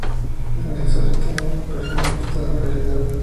Es necesario que tener un perfil ajustado a la realidad.